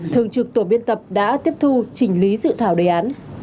thường trực tổ biên tập đã tiếp thu chỉnh lý dự thảo đề án